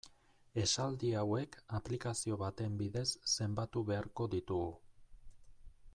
Esaldi hauek aplikazio baten bidez zenbatu beharko ditugu.